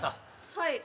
はい。